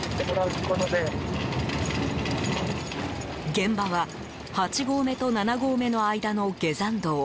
現場は８合目と７合目の間の下山道。